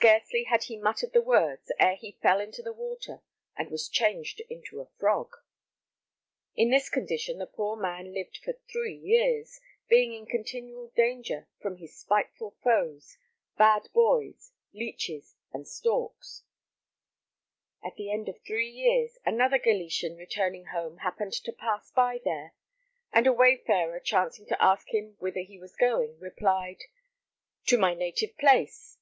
Scarcely had he muttered the words ere he fell into the water and was changed into a frog. In this condition the poor man lived for three years, being in continual danger from his spiteful foes, bad boys, leeches, and storks. At the end of three years another Galician returning home happened to pass by there, and a wayfarer chancing to ask him whither he was going, replied: "To my native place."